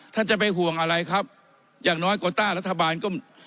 ท่านจะไปห่วงอะไรครับอย่างน้อยโกต้ารัฐบาลก็